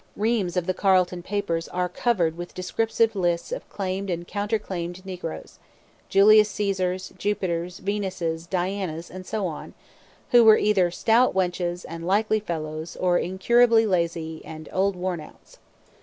Reams of the Carleton papers are covered with descriptive lists of claimed and counter claimed niggers Julius Caesars, Jupiters, Venuses, Dianas, and so on, who were either 'stout wenches' and 'likely fellows' or 'incurably lazy' and 'old worn outs.'